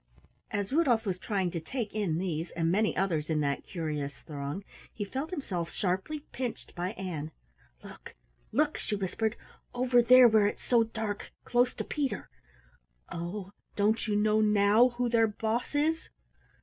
As Rudolf was trying to take in these, and many others in that curious throng, he felt himself sharply pinched by Ann. "Look, look," she whispered, "over there where it's so dark, close to Peter. Oh, don't you know now who their Boss is?"